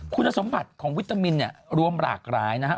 คุณสมบัติของวิตามินเนี่ยรวมหลากหลายนะฮะ